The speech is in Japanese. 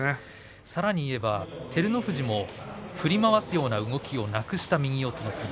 さらに言えば照ノ富士も振り回すような動きをなくした右四つの相撲。